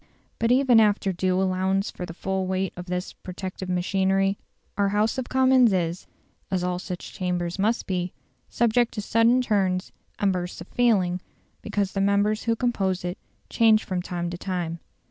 But even after due allowance for the full weight of this protective machinery, our House of Commons is, as all such chambers must be, subject to sudden turns and bursts of feeling, because the members who compose it change from time to time.